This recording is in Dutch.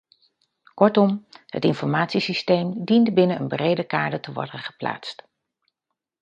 Kortom, het informatiesysteem dient binnen een breder kader te worden geplaatst.